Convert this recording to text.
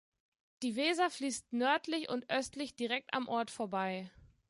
Die Weser fließt nördlich und östlich direkt am Ort vorbei.